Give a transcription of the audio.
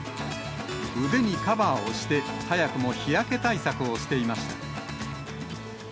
腕にカバーをして、早くも日焼け対策をしていました。